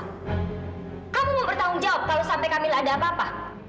kamu yang bertanggung jawab kalau sampai kami ada apa apa